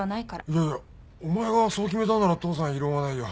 いやいやお前がそう決めたんなら父さん異論はないよ。